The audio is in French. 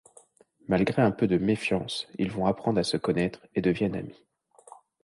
Malgré un peu de méfiance, ils vont apprendre à se connaître et deviennent amis.